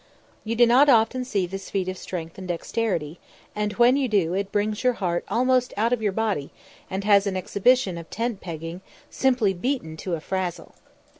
You do not often see this feat of strength and dexterity, and when you do, it brings your heart almost out of your body and has an exhibition of tent pegging simply beaten to a frazzle.